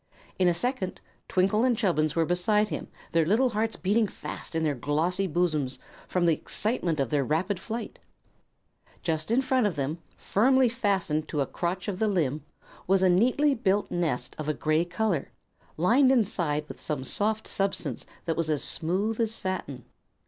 In a second Twinkle and Chubbins were beside him, their little hearts beating fast in their glossy bosoms from the excitement of their rapid flight. Just in front of them, firmly fastened to a crotch of a limb, was a neatly built nest of a gray color, lined inside with some soft substance that was as smooth as satin.